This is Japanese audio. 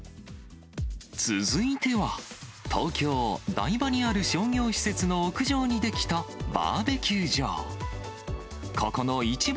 続いては、東京・台場にある商業施設の屋上に出来たバーベキュー場。